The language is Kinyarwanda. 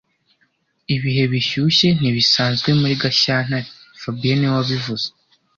Ibihe bishyushye ntibisanzwe muri Gashyantare fabien niwe wabivuze